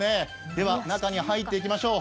では中に入っていきましょう。